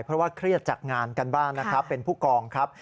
เพราะว่าเครียดจากงานกันบ้างนะครับเป็นผู้กองครับ